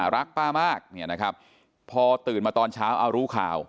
รักป้ามากเนี่ยนะครับพอตื่นมาตอนเช้าเอารู้ข่าว